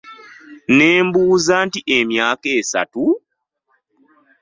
Ne mbuuza nti emyaka esatu!